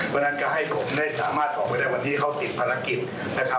เพราะฉะนั้นก็ให้ผมได้สามารถต่อไปได้วันนี้เขาติดภารกิจ